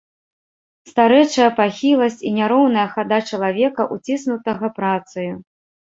Старэчая пахіласць і няроўная хада чалавека, уціснутага працаю.